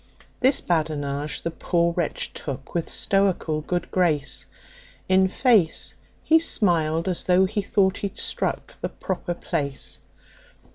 This badinage the poor wretch took with stoical good grace; In face, he smiled as tho' he thought he'd struck the proper place.